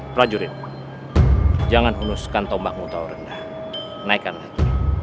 prajurit jangan unuskan tombakmu tahu rendah naikkan lagi